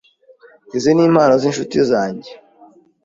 Izi nimpano zinshuti zanjye.